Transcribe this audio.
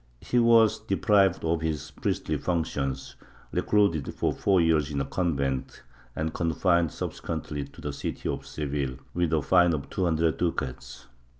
He was deprived of his priestly functions, recluded for four years in a convent and confined subsequently to the city of Seville, with a fine of two hundred ducats.